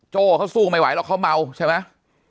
โจ้เขาสู้ไม่ไหวหรอกเขาเมาใช่ไหม